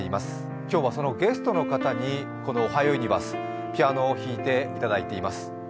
今日はそのゲストの方にこの「おはようユニバース」、ピアノを弾いていただいています。